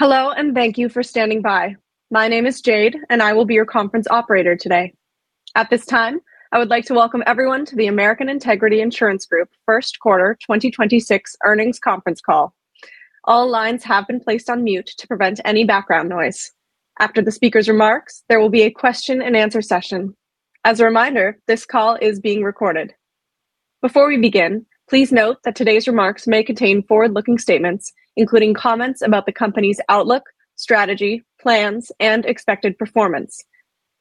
Hello. Thank you for standing by. My name is Jade, and I will be your conference operator today. At this time, I would like to welcome everyone to the American Integrity Insurance Group first quarter 2026 earnings conference call. All lines have been placed on mute to prevent any background noise. After the speaker's remarks, there will be a question-and-answer session. A reminder, this call is being recorded. Before we begin, please note that today's remarks may contain forward-looking statements, including comments about the company's outlook, strategy, plans, and expected performance.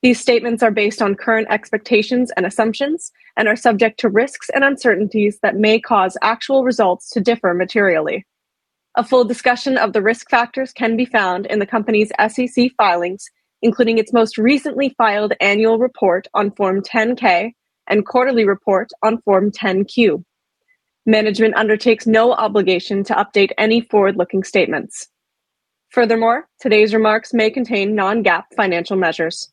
These statements are based on current expectations and assumptions and are subject to risks and uncertainties that may cause actual results to differ materially. A full discussion of the risk factors can be found in the company's SEC filings, including its most recently filed annual report on Form 10-K and quarterly report on Form 10-Q. Management undertakes no obligation to update any forward-looking statements. Furthermore, today's remarks may contain non-GAAP financial measures.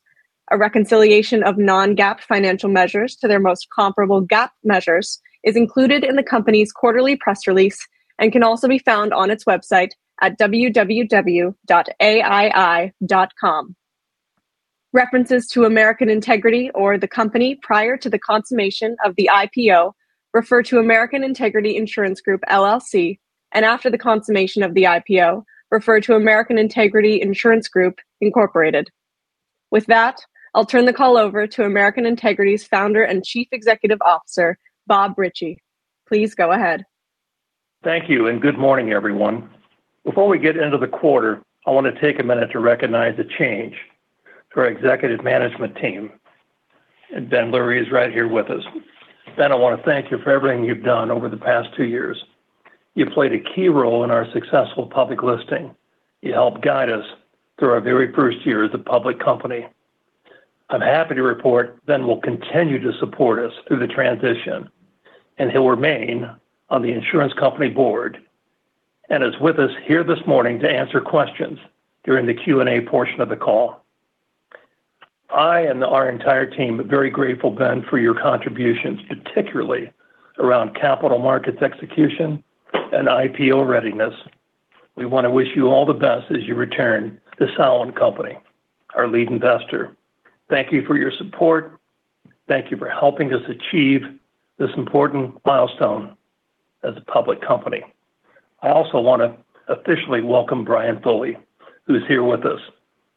A reconciliation of non-GAAP financial measures to their most comparable GAAP measures is included in the company's quarterly press release and can also be found on its website at www.aii.com. References to American Integrity or the company prior to the consummation of the IPO refer to American Integrity Insurance Group, LLC, and after the consummation of the IPO, refer to American Integrity Insurance Group, Inc. With that, I'll turn the call over to American Integrity's founder and Chief Executive Officer, Bob Ritchie. Please go ahead. Thank you. Good morning, everyone. Before we get into the quarter, I want to take a minute to recognize the change to our executive management team. Ben Lurie is right here with us. Ben, I want to thank you for everything you've done over the past two years. You played a key role in our successful public listing. You helped guide us through our very first year as a public company. I'm happy to report Ben will continue to support us through the transition, and he'll remain on the insurance company board and is with us here this morning to answer questions during the Q&A portion of the call. I and our entire team are very grateful, Ben, for your contributions, particularly around capital markets execution and IPO readiness. We want to wish you all the best as you return to Salient Company, our lead investor. Thank you for your support. Thank you for helping us achieve this important milestone as a public company. I also want to officially welcome Brian Foley, who's here with us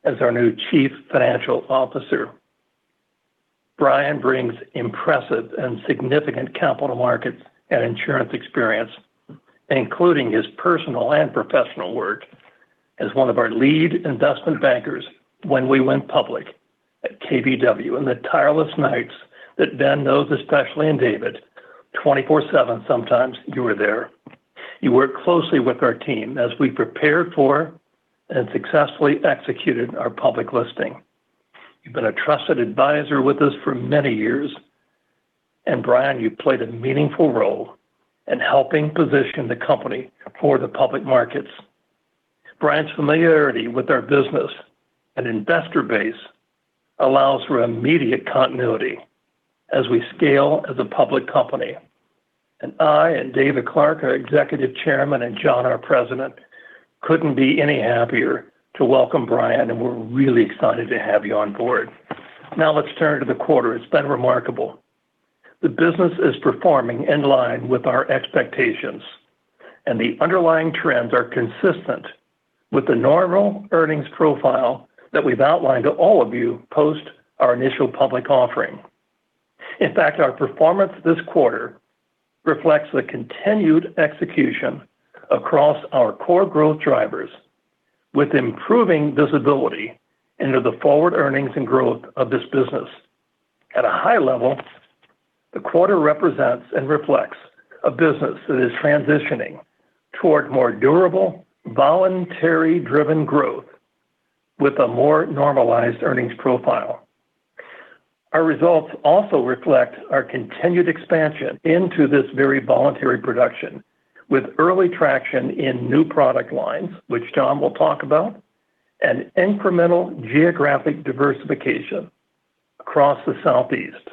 as our new Chief Financial Officer. Brian brings impressive and significant capital markets and insurance experience, including his personal and professional work as one of our lead investment bankers when we went public at KBW. In the tireless nights that Ben knows, especially, and David, 24/7 sometimes you were there. You worked closely with our team as we prepared for and successfully executed our public listing. You've been a trusted advisor with us for many years. Brian, you played a meaningful role in helping position the company for the public markets. Brian's familiarity with our business and investor base allows for immediate continuity as we scale as a public company. I and David Clark, our Executive Chairman, and Jon, our President, couldn't be any happier to welcome Brian, and we're really excited to have you on board. Now let's turn to the quarter. It's been remarkable. The business is performing in line with our expectations, and the underlying trends are consistent with the normal earnings profile that we've outlined to all of you post our initial public offering. In fact, our performance this quarter reflects the continued execution across our core growth drivers with improving visibility into the forward earnings and growth of this business. At a high level, the quarter represents and reflects a business that is transitioning toward more durable, voluntary-driven growth with a more normalized earnings profile. Our results also reflect our continued expansion into this very voluntary production with early traction in new product lines, which Jon Ritchie will talk about, and incremental geographic diversification across the Southeast.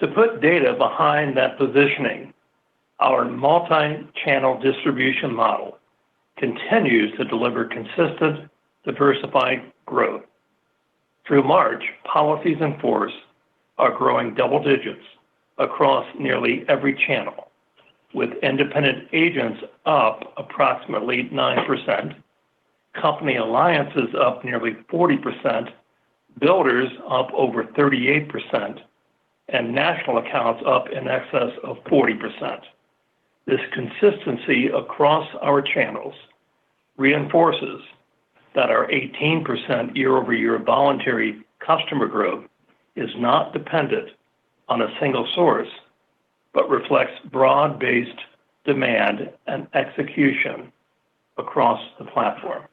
To put data behind that positioning, our multi-channel distribution model continues to deliver consistent, diversified growth. Through March, policies in force are growing double digits across nearly every channel, with independent agents up approximately 9%, company alliances up nearly 40%, builders up over 38%, and national accounts up in excess of 40%. This consistency across our channels reinforces that our 18% year-over-year voluntary customer growth is not dependent on a single source but reflects broad-based demand and execution across the platform.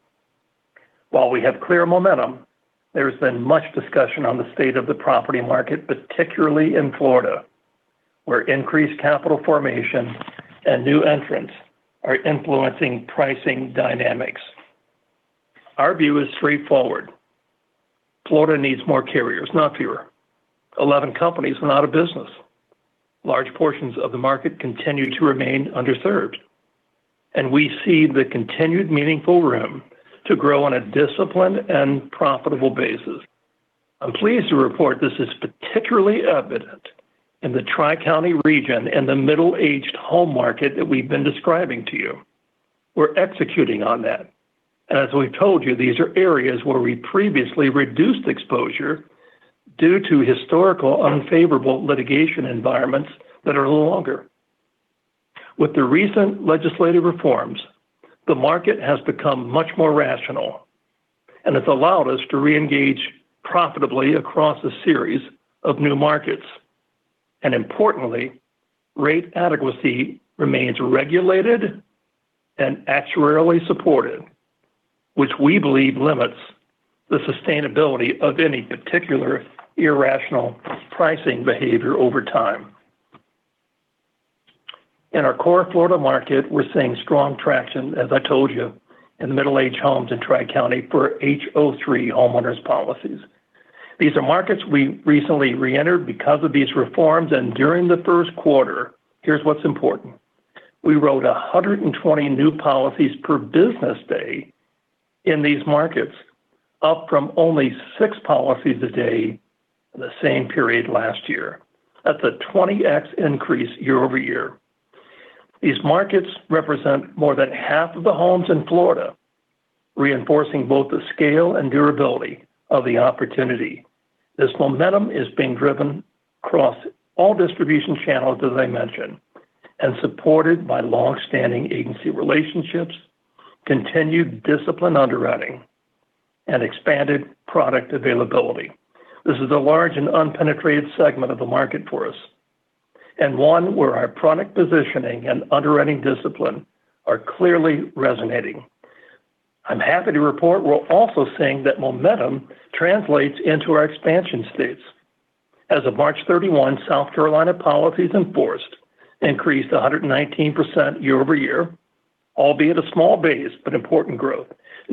While we have clear momentum, there has been much discussion on the state of the property market, particularly in Florida, where increased capital formation and new entrants are influencing pricing dynamics. Our view is straightforward. Florida needs more carriers, not fewer. 11 companies are out of business. Large portions of the market continue to remain underserved, we see the continued meaningful room to grow on a disciplined and profitable basis. I'm pleased to report this is particularly evident in the Tri-County region in the middle-aged home market that we've been describing to you. We're executing on that. As we've told you, these are areas where we previously reduced exposure due to historical unfavorable litigation environments that are no longer. With the recent legislative reforms, the market has become much more rational, it's allowed us to reengage profitably across a series of new markets. Importantly, rate adequacy remains regulated and actuarially supported, which we believe limits the sustainability of any particular irrational pricing behavior over time. In our core Florida market, we're seeing strong traction, as I told you, in the middle-aged homes in Tri-County for HO-3 homeowners policies. These are markets we recently reentered because of these reforms. During the first quarter, here's what's important. We wrote 120 new policies per business day in these markets, up from only six policies a day the same period last year. That's a 20x increase year-over-year. These markets represent more than half of the homes in Florida, reinforcing both the scale and durability of the opportunity. This momentum is being driven across all distribution channels, as I mentioned, and supported by long-standing agency relationships, continued disciplined underwriting, and expanded product availability. This is a large and unpenetrated segment of the market for us and one where our product positioning and underwriting discipline are clearly resonating. I'm happy to report we're also seeing that momentum translates into our expansion states. As of March 31st, South Carolina policies enforced increased 119% year-over-year, albeit a small base, but important growth.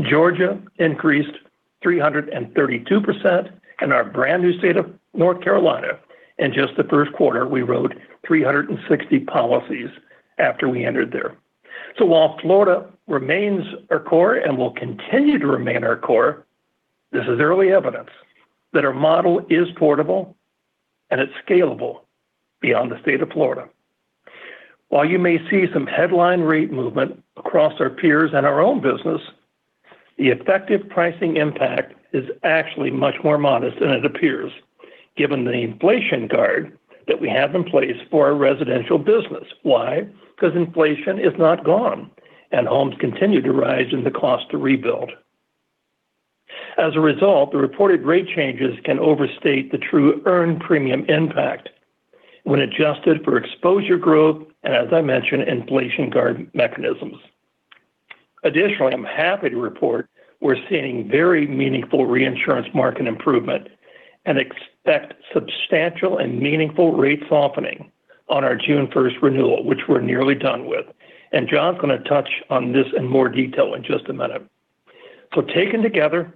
Georgia increased 332%. In our brand-new state of North Carolina, in just the first quarter, we wrote 360 policies after we entered there. While Florida remains our core and will continue to remain our core, this is early evidence that our model is portable, and it's scalable beyond the state of Florida. While you may see some headline rate movement across our peers and our own business, the effective pricing impact is actually much more modest than it appears, given the inflation guard that we have in place for our residential business. Why? 'Cause inflation is not gone, and homes continue to rise in the cost to rebuild. As a result, the reported rate changes can overstate the true earned premium impact when adjusted for exposure growth and, as I mentioned, inflation guard mechanisms. Additionally, I'm happy to report we're seeing very meaningful reinsurance market improvement and expect substantial and meaningful rate softening on our June first renewal, which we're nearly done with. Jon is gonna touch on this in more detail in just a minute. Taken together,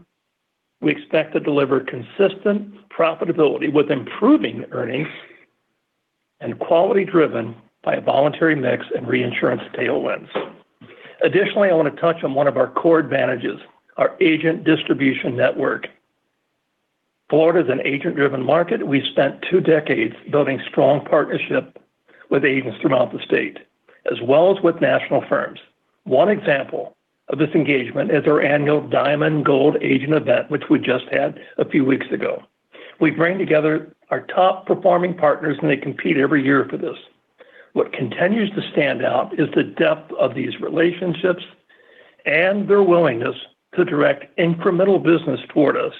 we expect to deliver consistent profitability with improving earnings and quality driven by a voluntary mix and reinsurance tailwinds. Additionally, I want to touch on one of our core advantages, our agent distribution network. Florida is an agent-driven market. We've spent two decades building strong partnership with agents throughout the state, as well as with national firms. One example of this engagement is our annual Diamond Gold Agent event, which we just had a few weeks ago. We bring together our top-performing partners, and they compete every year for this. What continues to stand out is the depth of these relationships and their willingness to direct incremental business toward us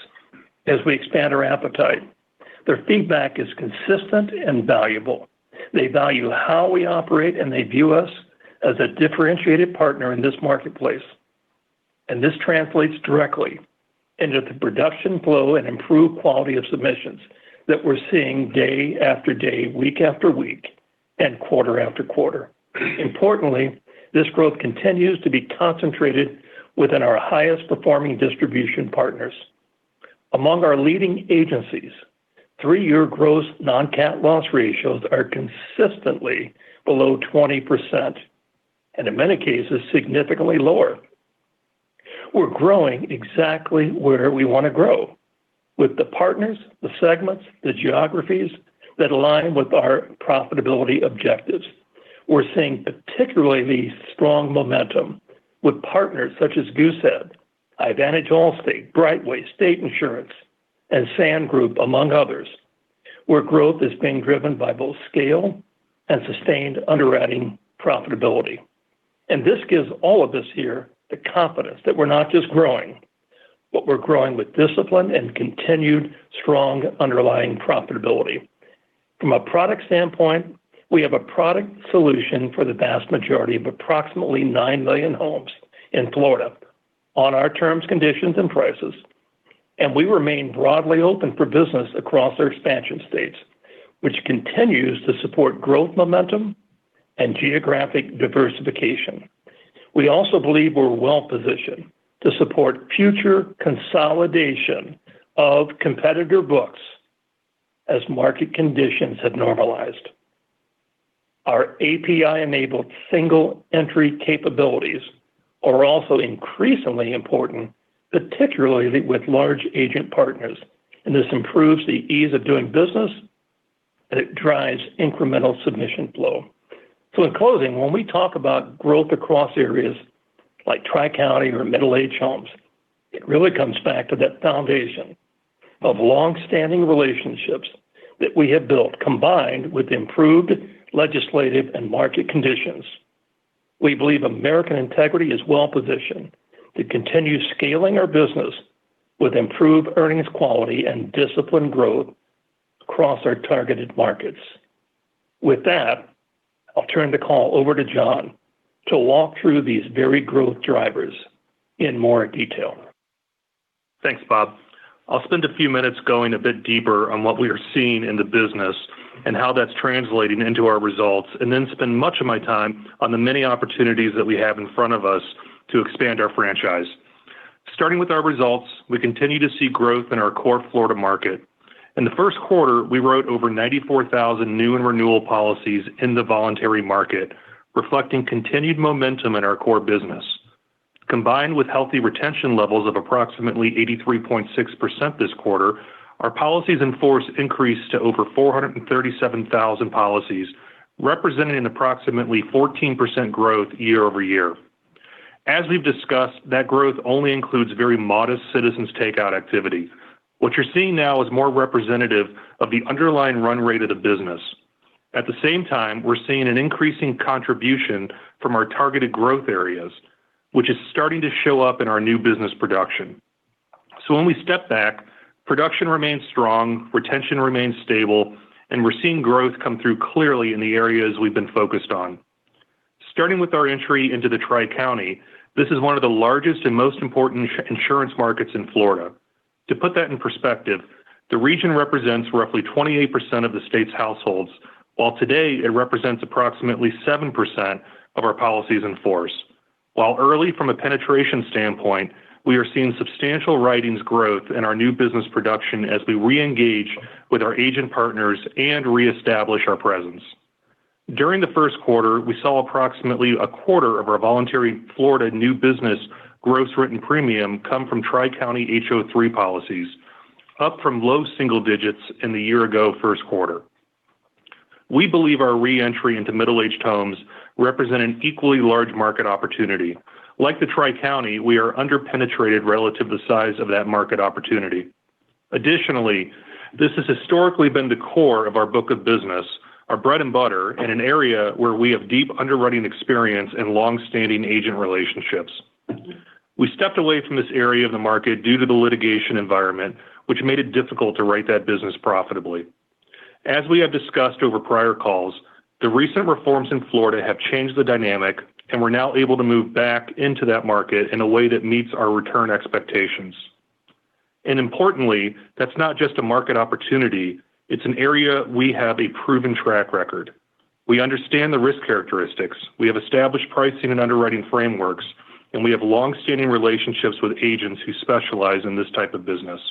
as we expand our appetite. Their feedback is consistent and valuable. They value how we operate, and they view us as a differentiated partner in this marketplace. This translates directly into the production flow and improved quality of submissions that we're seeing day after day, week after week, and quarter-after-quarter. Importantly, this growth continues to be concentrated within our highest-performing distribution partners. Among our leading agencies, three-year gross non-CAT loss ratios are consistently below 20% and in many cases, significantly lower. We're growing exactly where we wanna grow with the partners, the segments, the geographies that align with our profitability objectives. We're seeing particularly strong momentum with partners such as Goosehead, Advantage Insurance, Brightway, State Insurance, and Sand Group, among others, where growth is being driven by both scale and sustained underwriting profitability. This gives all of us here the confidence that we're not just growing, but we're growing with discipline and continued strong underlying profitability. From a product standpoint, we have a product solution for the vast majority of approximately 9 million homes in Florida on our terms, conditions, and prices, and we remain broadly open for business across our expansion states, which continues to support growth momentum and geographic diversification. We also believe we're well-positioned to support future consolidation of competitor books as market conditions have normalized. Our API-enabled single entry capabilities are also increasingly important, particularly with large agent partners, and this improves the ease of doing business, and it drives incremental submission flow. In closing, when we talk about growth across areas like Tri-County or middle-aged homes, it really comes back to that foundation of long-standing relationships that we have built, combined with improved legislative and market conditions. We believe American Integrity is well-positioned to continue scaling our business with improved earnings quality and disciplined growth across our targeted markets. With that, I'll turn the call over to Jon to walk through these very growth drivers in more detail. Thanks, Bob. I'll spend a few minutes going a bit deeper on what we are seeing in the business and how that's translating into our results, then spend much of my time on the many opportunities that we have in front of us to expand our franchise. Starting with our results, we continue to see growth in our core Florida market. In the first quarter, we wrote over 94,000 new and renewal policies in the voluntary market, reflecting continued momentum in our core business. Combined with healthy retention levels of approximately 83.6% this quarter, our policies in force increased to over 437,000 policies, representing approximately 14% growth year-over-year. As we've discussed, that growth only includes very modest Citizens takeout activity. What you're seeing now is more representative of the underlying run rate of the business. At the same time, we're seeing an increasing contribution from our targeted growth areas, which is starting to show up in our new business production. When we step back, production remains strong, retention remains stable, and we're seeing growth come through clearly in the areas we've been focused on. Starting with our entry into the Tri-County, this is one of the largest and most important insurance markets in Florida. To put that in perspective, the region represents roughly 28% of the state's households, while today it represents approximately 7% of our policies in force. While early from a penetration standpoint, we are seeing substantial writings growth in our new business production as we reengage with our agent partners and reestablish our presence. During the first quarter, we saw approximately a quarter of our voluntary Florida new business gross written premium come from Tri-County HO-3 policies, up from low single digits in the year ago first quarter. We believe our re-entry into Middle-Aged homes represent an equally large market opportunity. Like the Tri-County, we are under-penetrated relative to the size of that market opportunity. Additionally, this has historically been the core of our book of business, our bread and butter in an area where we have deep underwriting experience and long-standing agent relationships. We stepped away from this area of the market due to the litigation environment, which made it difficult to write that business profitably. As we have discussed over prior calls, the recent reforms in Florida have changed the dynamic, and we're now able to move back into that market in a way that meets our return expectations. Importantly, that's not just a market opportunity, it's an area we have a proven track record. We understand the risk characteristics. We have established pricing and underwriting frameworks, and we have long-standing relationships with agents who specialize in this type of business.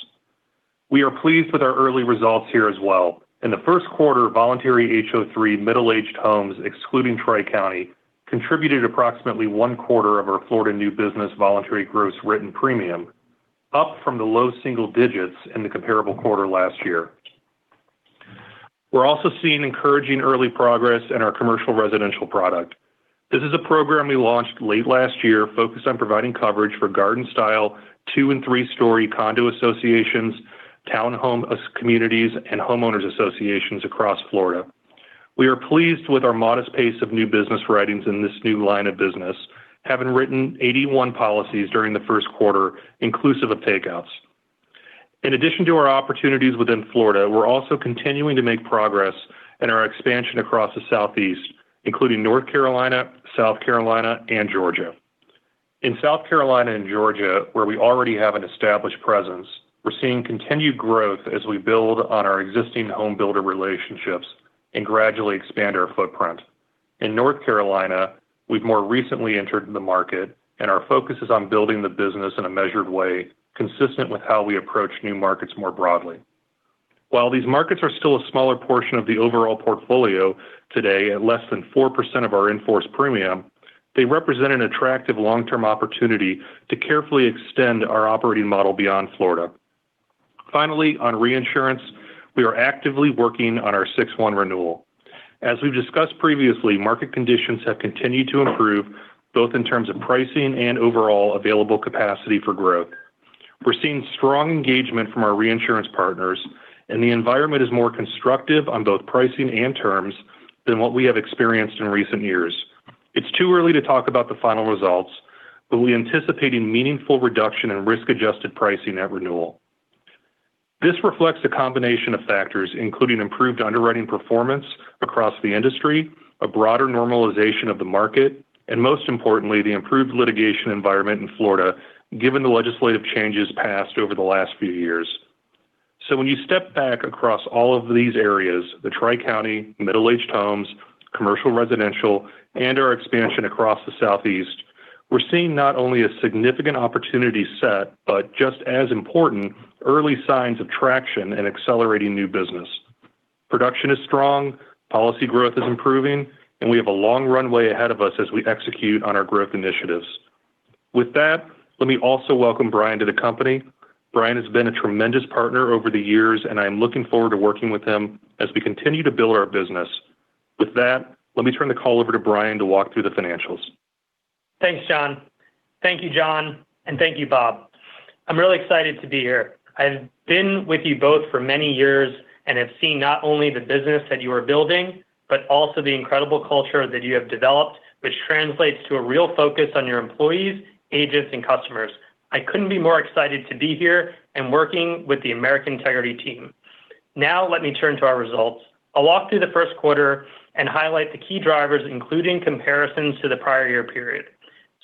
We are pleased with our early results here as well. In the first quarter, voluntary HO-3 middle-aged homes, excluding Tri-County, contributed approximately one quarter of our Florida new business voluntary gross written premium, up from the low single digits in the comparable quarter last year. We're also seeing encouraging early progress in our Commercial Residential Property Program. This is a program we launched late last year focused on providing coverage for garden-style, two and three-story condo associations, townhome communities, and homeowners associations across Florida. We are pleased with our modest pace of new business writings in this new line of business, having written 81 policies during the first quarter, inclusive of takeouts. In addition to our opportunities within Florida, we're also continuing to make progress in our expansion across the Southeast, including North Carolina, South Carolina, and Georgia. In South Carolina and Georgia, where we already have an established presence, we're seeing continued growth as we build on our existing home builder relationships and gradually expand our footprint. In North Carolina, we've more recently entered the market, and our focus is on building the business in a measured way, consistent with how we approach new markets more broadly. While these markets are still a smaller portion of the overall portfolio today at less than 4% of our in-force premium, they represent an attractive long-term opportunity to carefully extend our operating model beyond Florida. Finally, on reinsurance, we are actively working on our 6/1 renewal. As we've discussed previously, market conditions have continued to improve both in terms of pricing and overall available capacity for growth. We're seeing strong engagement from our reinsurance partners, and the environment is more constructive on both pricing and terms than what we have experienced in recent years. It's too early to talk about the final results, but we anticipate a meaningful reduction in risk-adjusted pricing at renewal. This reflects a combination of factors, including improved underwriting performance across the industry, a broader normalization of the market, and most importantly, the improved litigation environment in Florida, given the legislative changes passed over the last few years. When you step back across all of these areas, the Tri-County, middle-aged homes, commercial residential, and our expansion across the Southeast, we're seeing not only a significant opportunity set, but just as important, early signs of traction and accelerating new business. Production is strong, policy growth is improving, and we have a long runway ahead of us as we execute on our growth initiatives. With that, let me also welcome Brian to the company. Brian has been a tremendous partner over the years, and I am looking forward to working with him as we continue to build our business. With that, let me turn the call over to Brian to walk through the financials. Thanks, Jon. Thank you, Jon, and thank you, Bob. I'm really excited to be here. I've been with you both for many years and have seen not only the business that you are building, but also the incredible culture that you have developed, which translates to a real focus on your employees, agents, and customers. I couldn't be more excited to be here and working with the American Integrity team. Let me turn to our results. I'll walk through the first quarter and highlight the key drivers, including comparisons to the prior year period.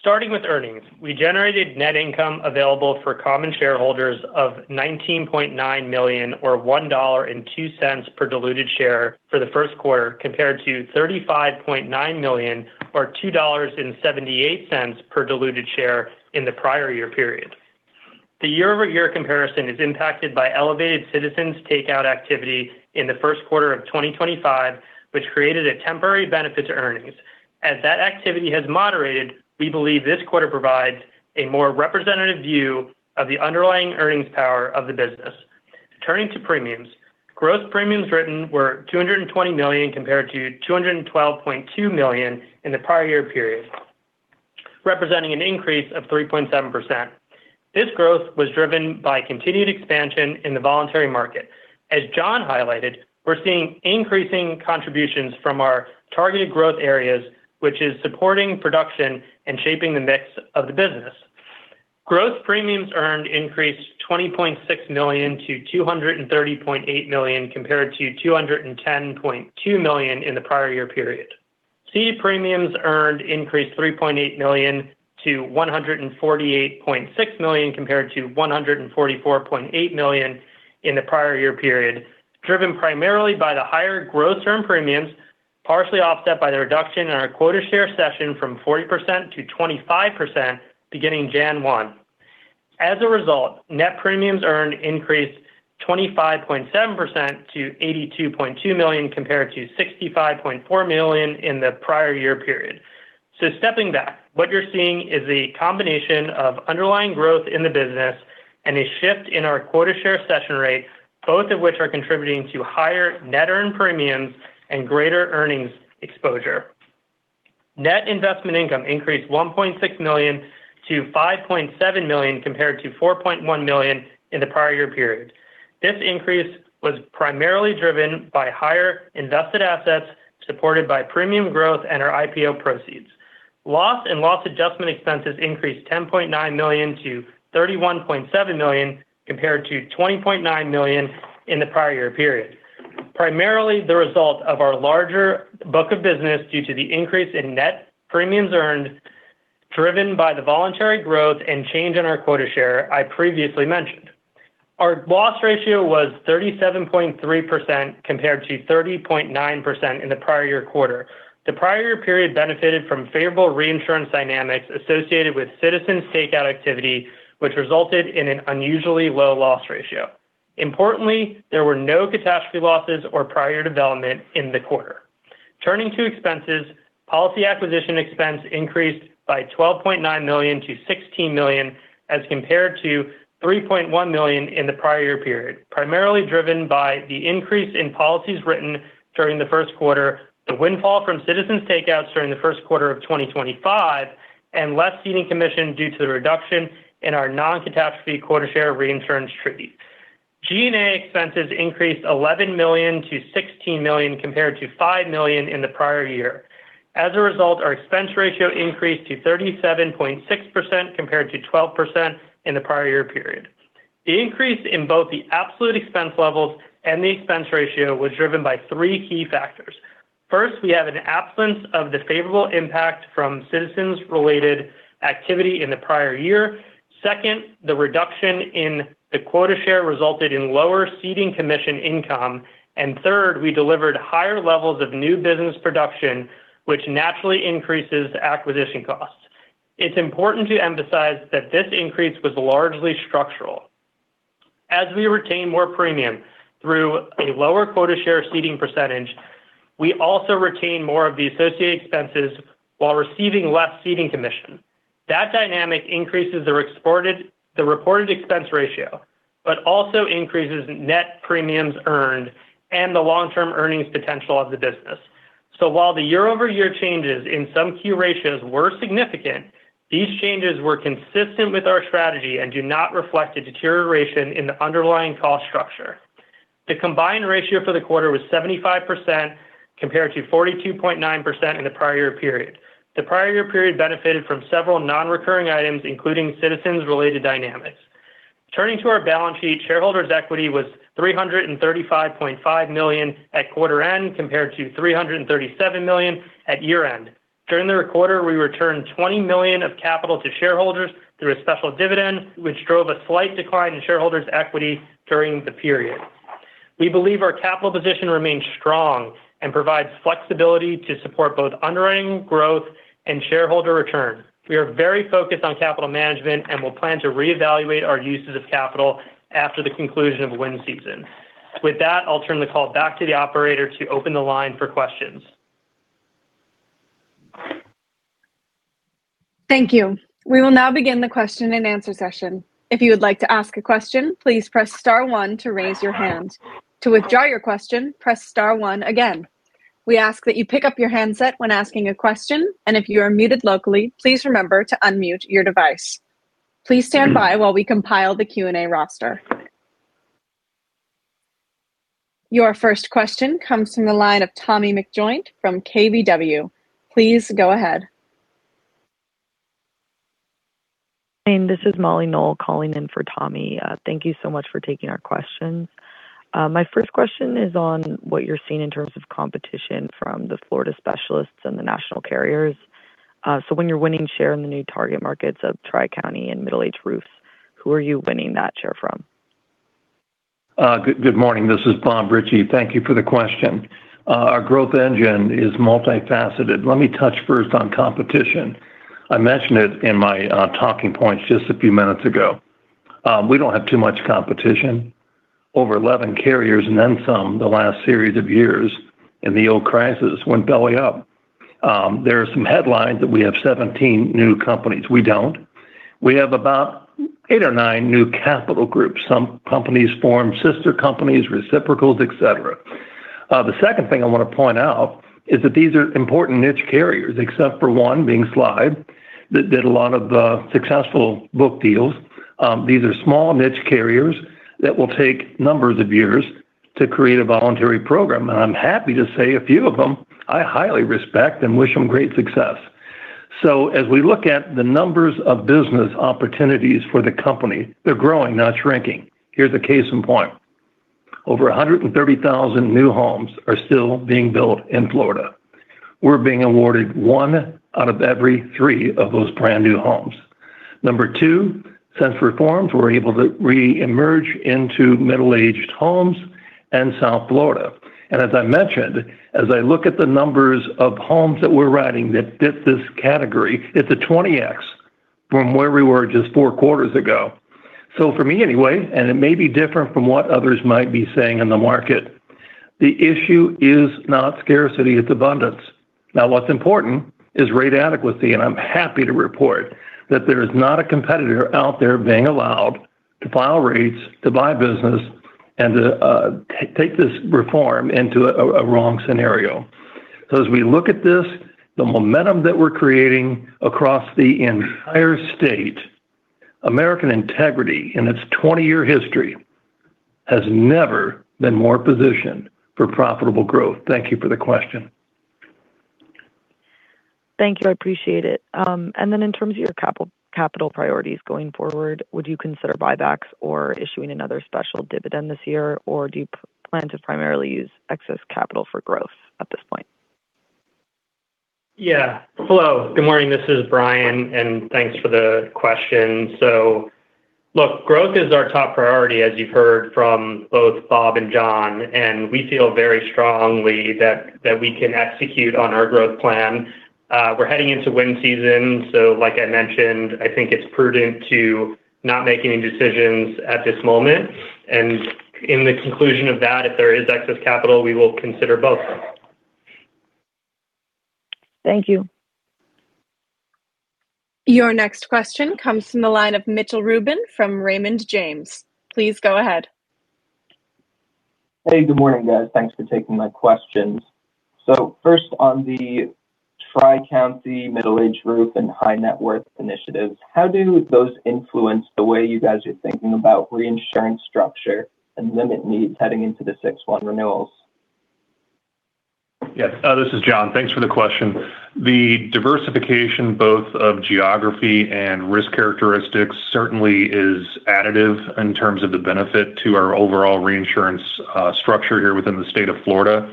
Starting with earnings, we generated net income available for common shareholders of $19.9 million or $1.02 per diluted share for the first quarter compared to $35.9 million or $2.78 per diluted share in the prior year period. The year-over-year comparison is impacted by elevated Citizens' takeout activity in the first quarter of 2025, which created a temporary benefit to earnings. As that activity has moderated, we believe this quarter provides a more representative view of the underlying earnings power of the business. Turning to premiums, gross premiums written were $220 million compared to $212.2 million in the prior year period, representing an increase of 3.7%. This growth was driven by continued expansion in the voluntary market. As Jon highlighted, we're seeing increasing contributions from our targeted growth areas, which is supporting production and shaping the mix of the business. Gross premiums earned increased $20.6 million-$230.8 million compared to $210.2 million in the prior year period. Ceded premiums earned increased $3.8 million-$148.6 million compared to $144.8 million in the prior year period, driven primarily by the higher gross earned premiums, partially offset by the reduction in our quota share cession from 40%-25% beginning January 1st. Net premiums earned increased 25.7% to $82.2 million compared to $65.4 million in the prior year period. Stepping back, what you're seeing is a combination of underlying growth in the business and a shift in our quota share cession rate, both of which are contributing to higher net premiums earned and greater earnings exposure. Net investment income increased $1.6 million-$5.7 million compared to $4.1 million in the prior year period. This increase was primarily driven by higher invested assets supported by premium growth and our IPO proceeds. Loss and loss adjustment expenses increased $10.9 million-$31.7 million compared to $20.9 million in the prior year period. Primarily, the result of our larger book of business due to the increase in net premiums earned, driven by the voluntary growth and change in our quota share I previously mentioned. Our loss ratio was 37.3% compared to 30.9% in the prior year quarter. The prior year period benefited from favorable reinsurance dynamics associated with Citizens' takeout activity, which resulted in an unusually low loss ratio. Importantly, there were no catastrophe losses or prior development in the quarter. Turning to expenses, policy acquisition expense increased by $12.9 million-$16 million as compared to $3.1 million in the prior year period, primarily driven by the increase in policies written during the first quarter. The windfall from Citizens' takeouts during the first quarter of 2025, and less ceding commission due to the reduction in our non-catastrophe quota share reinsurance treaties. G&A expenses increased $11 million-$16 million compared to $5 million in the prior year. As a result, our expense ratio increased to 37.6% compared to 12% in the prior year period. The increase in both the absolute expense levels and the expense ratio was driven by three key factors. First, we have an absence of the favorable impact from Citizens-related activity in the prior year. Second, the reduction in the quota share resulted in lower ceding commission income. Third, we delivered higher levels of new business production, which naturally increases acquisition costs. It's important to emphasize that this increase was largely structural. As we retain more premium through a lower quota share ceding percentage, we also retain more of the associated expenses while receiving less ceding commission. That dynamic increases the reported expense ratio, but also increases net premiums earned and the long-term earnings potential of the business. While the year-over-year changes in some key ratios were significant, these changes were consistent with our strategy and do not reflect a deterioration in the underlying cost structure. The combined ratio for the quarter was 75% compared to 42.9% in the prior year period. The prior year period benefited from several non-recurring items, including Citizens-related dynamics. Turning to our balance sheet, shareholders' equity was $335.5 million at quarter end compared to $337 million at year-end. During the quarter, we returned $20 million of capital to shareholders through a special dividend, which drove a slight decline in shareholders' equity during the period. We believe our capital position remains strong and provides flexibility to support both underwriting growth and shareholder return. We are very focused on capital management and will plan to reevaluate our uses of capital after the conclusion of wind season. With that, I'll turn the call back to the operator to open the line for questions. Your first question comes from the line of Tommy McJoynt from KBW. Please go ahead. This is Molly Knoell calling in for Tommy. Thank you so much for taking our questions. My first question is on what you're seeing in terms of competition from the Florida specialists and the national carriers. When you're winning share in the new target markets of Tri-County and Middle-Aged Roofs, who are you winning that share from? Good morning. This is Bob Ritchie. Thank you for the question. Our growth engine is multifaceted. Let me touch first on competition. I mentioned it in my talking points just a few minutes ago. We don't have too much competition. Over 11 carriers and then some, the last series of years, and the old crisis went belly up. There are some headlines that we have 17 new companies. We don't. We have about eight or nine new capital groups. Some companies form sister companies, reciprocals, etc. The second thing I wanna point out is that these are important niche carriers, except for one being Slide, that did a lot of the successful book deals. These are small niche carriers that will take numbers of years to create a voluntary program. I'm happy to say a few of them I highly respect and wish them great success. As we look at the numbers of business opportunities for the company, they're growing, not shrinking. Here's a case in point. Over 130,000 new homes are still being built in Florida. We're being awarded one out of every three of those brand-new homes. Number two, since reforms, we're able to reemerge into middle-aged homes in South Florida. As I mentioned, as I look at the numbers of homes that we're writing that fit this category, it's a 20x from where we were just four quarters ago. For me anyway, and it may be different from what others might be saying in the market, the issue is not scarcity, it's abundance. What's important is rate adequacy, and I'm happy to report that there is not a competitor out there being allowed to file rates, to buy business, and to take this reform into a wrong scenario. As we look at this, the momentum that we're creating across the entire state, American Integrity, in its 20-year history, has never been more positioned for profitable growth. Thank you for the question. Thank you. I appreciate it. In terms of your capital priorities going forward, would you consider buybacks or issuing another special dividend this year, or do you plan to primarily use excess capital for growth at this point? Yeah. Hello. Good morning. This is Brian, and thanks for the question. Look, growth is our top priority, as you've heard from both Bob and Jon, and we feel very strongly that we can execute on our growth plan. We're heading into wind season, like I mentioned, I think it's prudent to not make any decisions at this moment. In the conclusion of that, if there is excess capital, we will consider both. Thank you. Your next question comes from the line of Mitchell Rubin from Raymond James. Please go ahead. Hey, good morning, guys. Thanks for taking my questions. First on the Tri-County Middle-Aged Roof and High Net Worth initiatives, how do those influence the way you guys are thinking about reinsurance structure and limit needs heading into the 6/1 renewals? Yes. This is Jon. Thanks for the question. The diversification both of geography and risk characteristics certainly is additive in terms of the benefit to our overall reinsurance structure here within the state of Florida.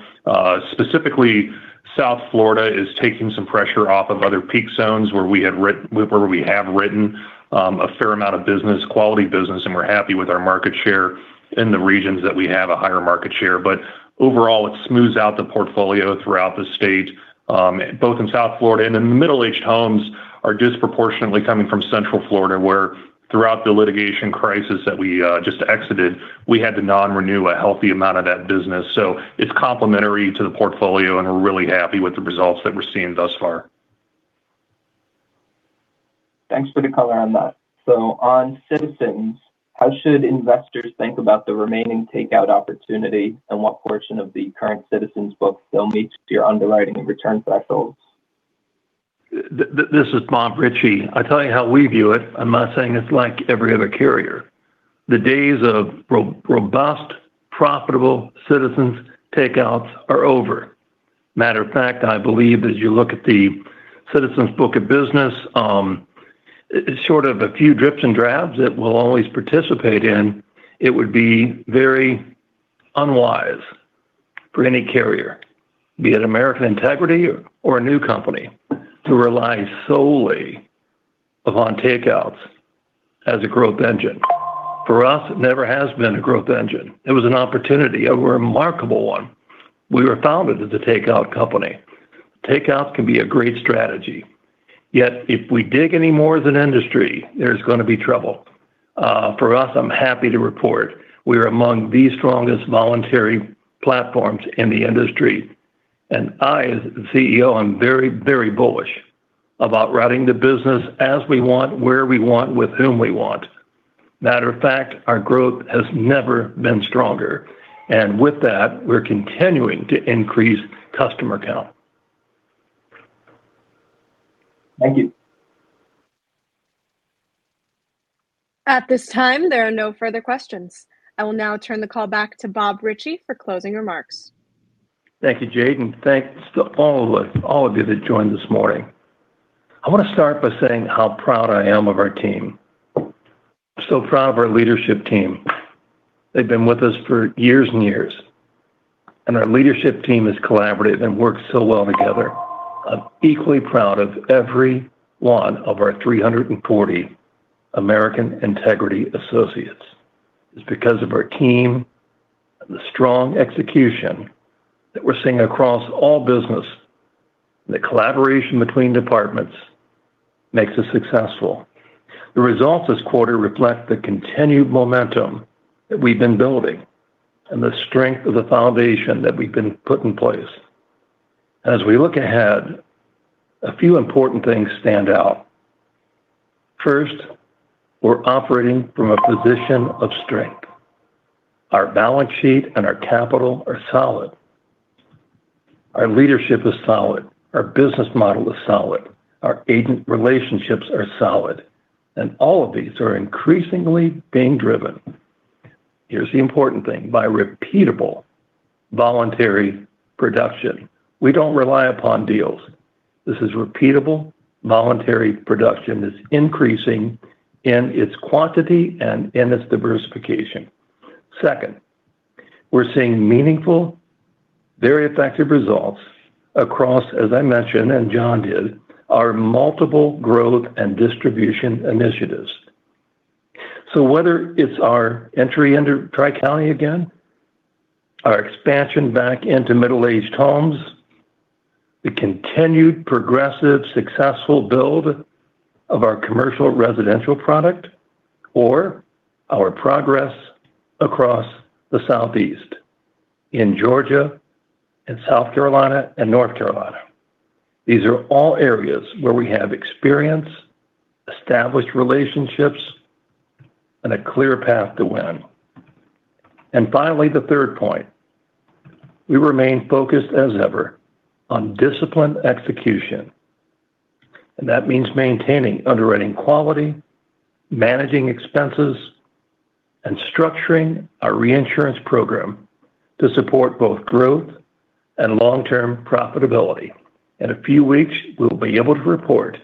Specifically South Florida is taking some pressure off of other peak zones where we have written a fair amount of business, quality business, and we're happy with our market share in the regions that we have a higher market share. Overall, it smooths out the portfolio throughout the state, both in South Florida and in the Middle-Aged Roof homes are disproportionately coming from Central Florida, where throughout the litigation crisis that we just exited, we had to non-renew a healthy amount of that business. It's complementary to the portfolio, and we're really happy with the results that we're seeing thus far. Thanks for the color on that. On Citizens, how should investors think about the remaining takeout opportunity and what portion of the current Citizens book they'll need to do your underwriting and return thresholds? This is Bob Ritchie. I'll tell you how we view it. I'm not saying it's like every other carrier. The days of robust, profitable Citizens takeouts are over. Matter of fact, I believe as you look at the Citizens book of business, it's sort of a few drips and drabs that we'll always participate in. It would be very unwise for any carrier, be it American Integrity or a new company to rely solely upon takeouts as a growth engine. For us, it never has been a growth engine. It was an opportunity, a remarkable one. We were founded as a takeout company. Takeouts can be a great strategy, yet if we dig any more as an industry, there's gonna be trouble. For us, I'm happy to report we are among the strongest voluntary platforms in the industry. I as the CEO, I'm very, very bullish about running the business as we want, where we want, with whom we want. Matter of fact, our growth has never been stronger. With that, we're continuing to increase customer count. Thank you. At this time, there are no further questions. I will now turn the call back to Bob Ritchie for closing remarks. Thank you, Jade, and thanks to all of you that joined this morning. I wanna start by saying how proud I am of our team. So proud of our leadership team. They've been with us for years and years. Our leadership team is collaborative and works so well together. I'm equally proud of every one of our 340 American Integrity associates. It's because of our team and the strong execution that we're seeing across all business, the collaboration between departments makes us successful. The results this quarter reflect the continued momentum that we've been building and the strength of the foundation that we've been put in place. As we look ahead, a few important things stand out. First, we're operating from a position of strength. Our balance sheet and our capital are solid. Our leadership is solid. Our business model is solid. Our agent relationships are solid, and all of these are increasingly being driven. Here's the important thing, by repeatable voluntary production. We don't rely upon deals. This is repeatable. Voluntary production is increasing in its quantity and in its diversification. Second, we're seeing meaningful, very effective results across, as I mentioned, and Jon did, our multiple growth and distribution initiatives. Whether it's our entry into Tri-County again, our expansion back into middle-aged homes, the continued progressive successful build of our Commercial Residential product, or our progress across the Southeast in Georgia and South Carolina and North Carolina. These are all areas where we have experience, established relationships, and a clear path to win. Finally, the third point, we remain focused as ever on disciplined execution, and that means maintaining underwriting quality, managing expenses, and structuring our reinsurance program to support both growth and long-term profitability. In a few weeks, we'll be able to report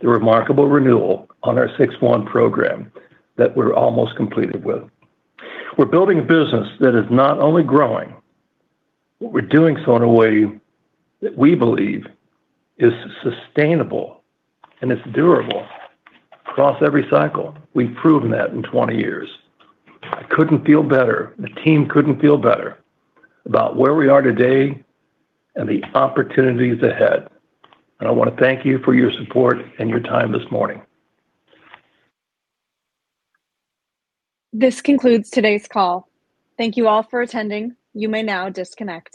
the remarkable renewal on our 6/1 program that we're almost completed with. We're building a business that is not only growing, but we're doing so in a way that we believe is sustainable and it's durable across every cycle. We've proven that in 20 years. I couldn't feel better, the team couldn't feel better about where we are today and the opportunities ahead. I wanna thank you for your support and your time this morning. This concludes today's call. Thank you all for attending. You may now disconnect.